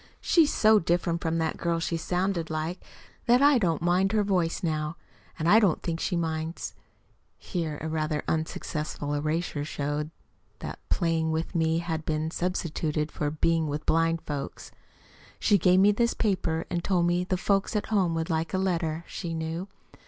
She's so different from that girl she sounded like that I don't mind her voice now. And I don't think she minds (here a rather unsuccessful erasure showed that "playing with me" had been substituted for "being with blind folks"). She gave me this paper, and told me the folks at home would like a letter, she knew.